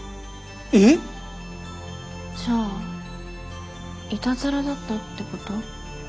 ええっ？じゃあイタズラだったってこと？